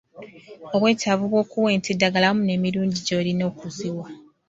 Obwetaavu bw’okuwa ente eddagala wamu n’emirundi gy’olina okuziwa.